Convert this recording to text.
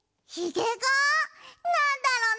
なんだろう？